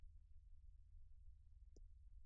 بېرحمانه یې قتلوي.